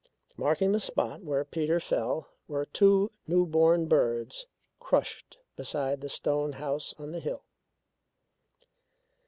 Marking the spot where Peter fell were two new born birds crushed beside the stone house on the hill.